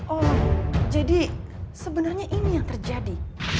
oh jadi sebenarnya ini yang terjadi